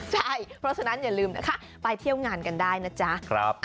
ใช่เพราะฉะนั้นอย่าลืมนะคะไปเที่ยวงานกันได้นะจ๊ะ